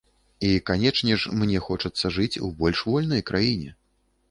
І, канечне ж, мне хочацца жыць у больш вольнай краіне.